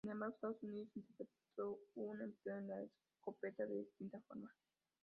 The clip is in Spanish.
Sin embargo, Estados Unidos interpretó su empleo de la escopeta de distinta forma.